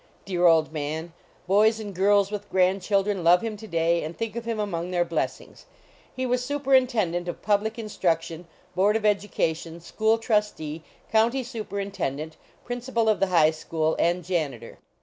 Dear old man; boys and girls with grand children love him to day, and think of him among their blessings. He was superinten dent of public instruction, board of educa tion, school trustee, county superintendent, principal of the high school and janitor.